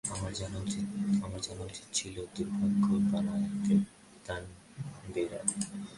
আমার জানা উচিৎ ছিল দুর্ভাগ্য বানায় দানবেরা।